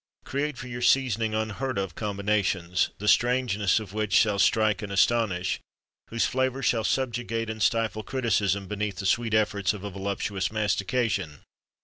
Create for your seasoning unheard of combinations, the strangeness of which shall strike and astonish; whose flavour shall subjugate and stifle criticism beneath the sweet efforts of a voluptuous mastication.